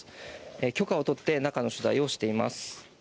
許可を取って中の取材をしています。